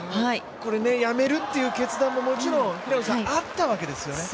やめるという決断も、もちろんあったわけですよね。